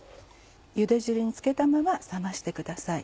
ゆで汁につけたまま冷ましてください。